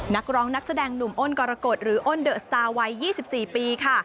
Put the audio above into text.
นักร้องนักแสดงหนุ่มอ้นกรกฎหรืออ้นเดอะสตาร์วัย๒๔ปีค่ะ